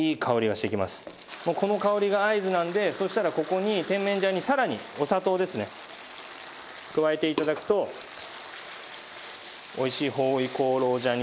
もうこの香りが合図なのでそしたらここに甜麺醤にさらにお砂糖ですね加えて頂くとおいしい回鍋肉醤になります。